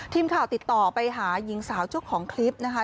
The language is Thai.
ทีมข่าวติดต่อไปหาหญิงสาวเจ้าของคลิปนะคะ